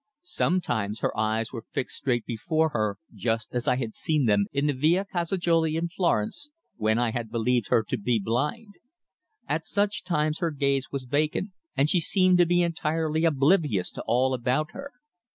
Sometimes her eyes were fixed straight before her just as I had seen her in the Via Calzajoli in Florence when I had believed her to be blind. At such times her gaze was vacant, and she seemed to be entirely oblivious to all about her.